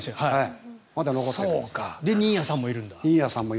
新谷さんもいるんだ。